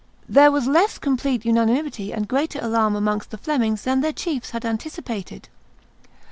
There was less complete unanimity and greater alarm amongst the Flemings than their chiefs had anticipated.